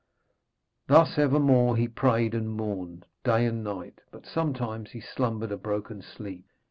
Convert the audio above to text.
Thus evermore he prayed and mourned, day and night, but sometimes he slumbered a broken sleep.